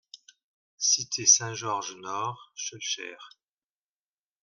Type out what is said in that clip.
Cité Saint-Georges Nord, Schœlcher